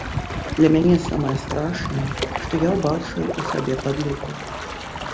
Для мяне самае страшнае, што я ўбачыў у сабе падлюку.